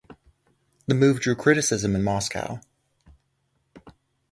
The move drew criticism in Moscow.